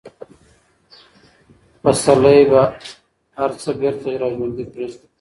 پسرلی به هر څه بېرته راژوندي کړي.